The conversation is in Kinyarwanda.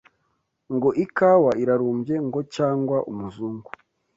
Ngo ikawa irarumbye Ngo cyangwa umuzungu